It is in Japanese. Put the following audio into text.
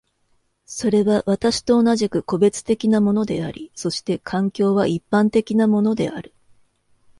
それは私と同じく個別的なものであり、そして環境は一般的なものである。